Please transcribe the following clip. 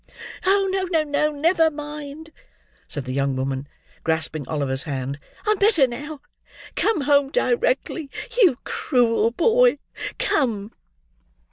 "Oh, no, no, never mind," said the young woman, grasping Oliver's hand; "I'm better now. Come home directly, you cruel boy! Come!"